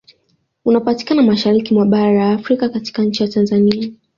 Unapatikana mashariki mwa bara la Afrika katika nchi ya Tanzania